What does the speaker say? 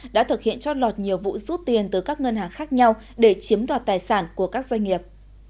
đã thực hiện trót lọt nhiều vụ rút tiền từ các ngân hàng khác nhau để chiếm đoạt tài sản của các doanh nghiệp